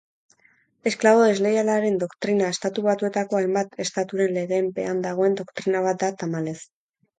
Esklabo desleialaren doktrina Estatu Batuetako hainbat estaturen legeen pean dagoen doktrina bat da, tamalez.